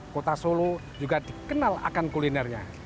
kota solo juga dikenal akan kulinernya